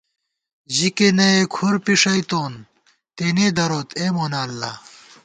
ژِکےنہ ئے کُھر پھݭئی تون، تېنے دروت اے مونہ اللہ